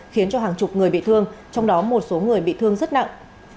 khiến cho hàng chục người bị thương trong đó một số người bị thương rất nặng